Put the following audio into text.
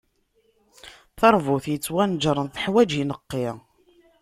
Taṛbut ittwanejṛen teḥwaǧ aneqqi.